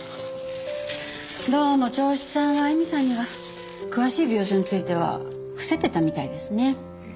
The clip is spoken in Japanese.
どうも銚子さんは絵美さんには詳しい病状については伏せてたみたいですね。